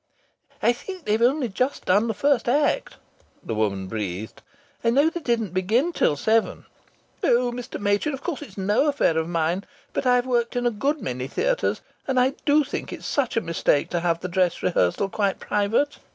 "I think they've only just done the first act," the woman breathed. "I know they didn't begin till seven. Oh! Mr. Machin, of course it's no affair of mine, but I've worked in a good many theatres, and I do think it's such a mistake to have the dress rehearsal quite private.